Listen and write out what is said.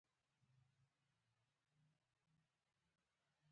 په افغانستان کې د غرونه منابع شته.